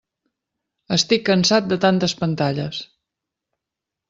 Estic cansat de tantes pantalles.